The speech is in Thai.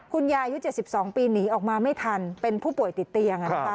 คุณยายุ๗๒ปีหนีออกมาไม่ทันเป็นผู้ป่วยติดเตียง